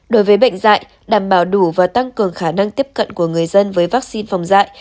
đối với bệnh dạy đảm bảo đủ và tăng cường khả năng tiếp cận của người dân với vaccine phòng dạy